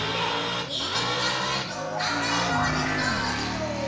忍術学園の裏々山まで来たんだけど。